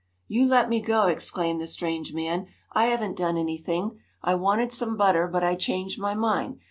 "You let me go!" exclaimed the strange man. "I haven't done anything. I wanted some butter, but I changed my mind.